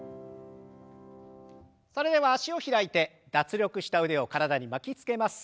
それでは脚を開いて脱力した腕を体に巻きつけます。